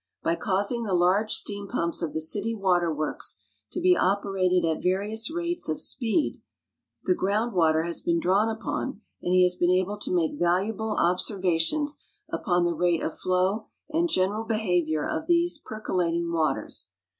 By causing the large steam pumps of the city water works to be operated at various rates of «]>eed the ground water has been drawn upon, and he has been able to make valuable observations upon the rate of flow and general behavior of these percolating waters.